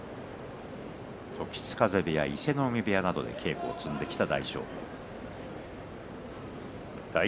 時津風部屋や伊勢ノ海部屋などで稽古を積んできました。